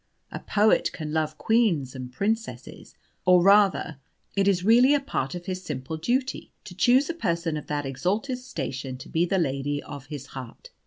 A poet can love queens and princesses: or rather, it is really a part of his simple duty to choose a person of that exalted station to be the lady of his heart.